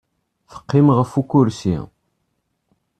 Teqqim ɣef ukersi.